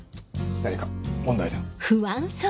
何か問題でも？